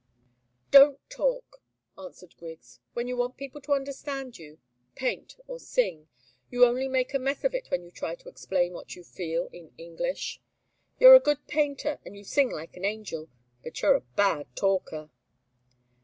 "Don't talk!" answered Griggs. "When you want people to understand you, paint or sing. You only make a mess of it when you try to explain what you feel in English. You're a good painter and you sing like an angel, but you're a bad talker."